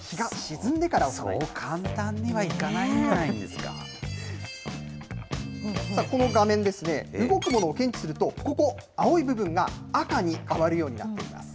そう簡単にはいかないんじゃさあ、この画面、動くものを検知すると、ここ、青い部分が赤に変わるようになっています。